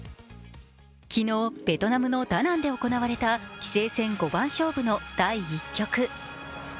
昨日、ベトナムのダナンで行われた棋聖戦五番勝負の第１局。